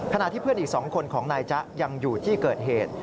ขณะที่เพื่อนอีก๒คนของนายจ๊ะยังอยู่ที่เกิดเหตุ